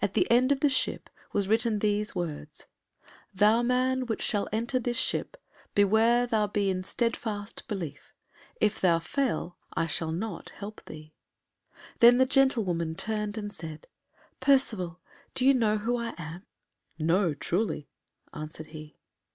At the end of the ship was written these words: "Thou man which shalt enter this ship beware thou be in steadfast belief; if thou fail, I shall not help thee." Then the gentlewoman turned and said, "Percivale, do you know who I am?" "No, truly," answered he.